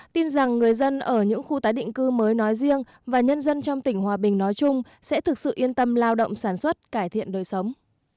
tin rằng người dân ở những khu tái định cư mới nói riêng và nhân dân trong tỉnh hòa bình nói chung sẽ thực sự yên tâm lao động sản xuất cải thiện đời sống